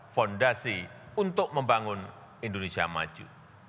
fondasi untuk membangun indonesia maju